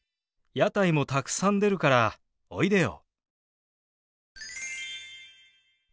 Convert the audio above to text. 屋台もたくさん出るからおいでよ。